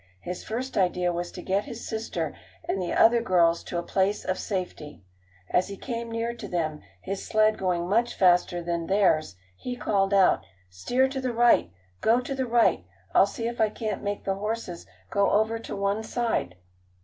His first idea was to get his sister and the other girls to a place of safety. As he came near to them, his sled going much faster than theirs, he called out: "Steer to the right! Go to the right! I'll see if I can't make the horses go over to one side."